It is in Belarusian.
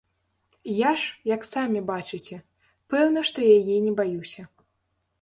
Я ж, як самі бачыце, пэўна што яе не баюся.